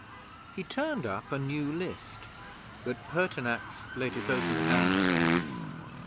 He turned up a new list, but Pertinax laid his open hand there.